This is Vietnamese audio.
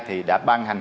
thì đã ban hành